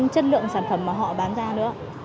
chất lượng sản phẩm mà họ bán ra nữa